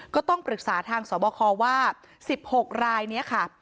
ก็ต้องปรึกษาทางสวบคว่า๑๖รายนี้ค่ะ